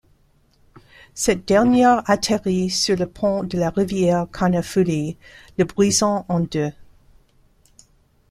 Cette dernière atterrit sur le pont de la rivière Karnaphuli, le brisant en deux.